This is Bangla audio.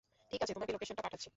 ঠিক আছে, তোমাকে লোকেশনটা পাঠাচ্ছি।